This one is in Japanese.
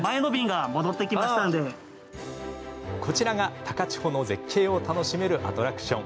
こちらが高千穂の絶景を楽しめるアトラクション。